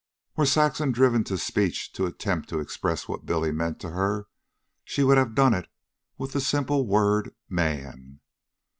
Were Saxon driven to speech to attempt to express what Billy meant to her, she would have done it with the simple word "man."